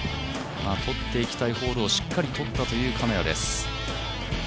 取っていきたいホールをしっかり取ったという金谷です。